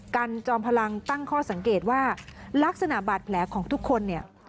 กันจอมพลังตั้งข้อสังเกตว่าลักษณะบาดแผลของทุกคนเนี่ย